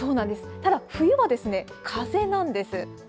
ただ、冬は風なんです。